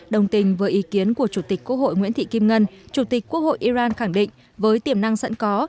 đồng tình với ý kiến của chủ tịch quốc hội nguyễn thị kim ngân chủ tịch quốc hội iran khẳng định với tiềm năng sẵn có